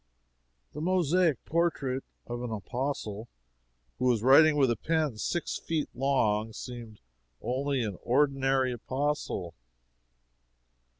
The mosaic portrait of an Apostle who was writing with a pen six feet long seemed only an ordinary Apostle.